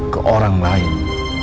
ke orang lain